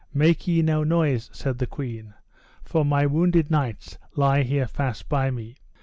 Make ye no noise, said the queen, for my wounded knights lie here fast by me.